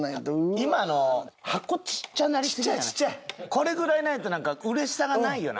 これぐらいないとなんか嬉しさがないよな。